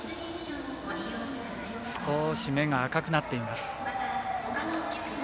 少し目が赤くなっています。